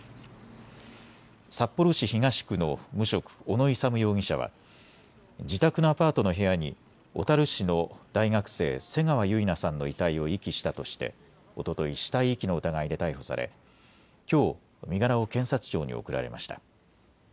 札幌市東区の無職、小野勇容疑者は自宅のアパートの部屋に小樽市の大学生、瀬川結菜さんの遺体を遺棄したとしておととい死体遺棄の疑いで逮捕されきょう身柄を検察庁に送られました。